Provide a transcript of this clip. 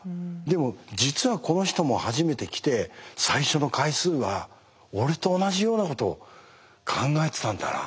でも実はこの人も初めて来て最初の回数は俺と同じようなことを考えてたんだな。